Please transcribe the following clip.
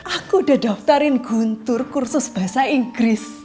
aku udah daftarin guntur kursus bahasa inggris